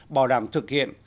bảo đảm thực hiện